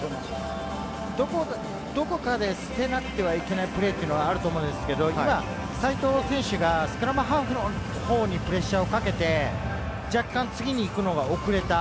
どこかで捨てなくてはいけないプレーというのはあると思うんですけれど、ただ齋藤選手がスクラムハーフのほうにプレッシャーをかけて、若干、次に行くのが遅れた。